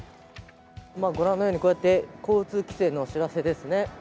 ご覧のようにこうやって、交通規制のお知らせですね。